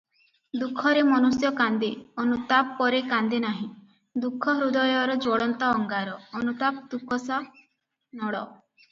ଦୁଃଖରେ ମନୁଷ୍ୟ କାନ୍ଦେ, ଅନୁତାପରେ କାନ୍ଦେନାହିଁ, ଦୁଃଖ ହୃଦୟର ଜ୍ୱଳନ୍ତ ଅଙ୍ଗାର, ଅନୁତାପ ତୁକଷା ନଳ ।